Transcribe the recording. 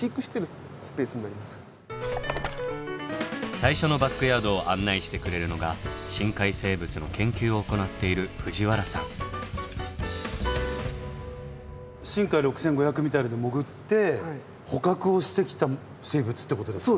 最初のバックヤードを案内してくれるのが深海生物の研究を行っているしんかい６５００みたいなので潜って捕獲をしてきた生物ってことですか？